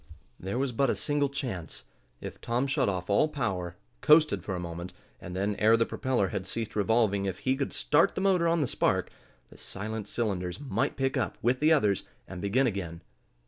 There was but a single chance. If Tom shut off all power, coasted for a moment, and then, ere the propeller had ceased revolving, if he could start the motor on the spark, the silent cylinders might pick up, with the others, and begin again.